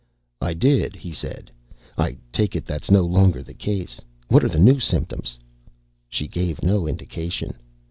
"I did," he said. "I take it that's no longer the case. What are the new symptoms?" She gave no indication.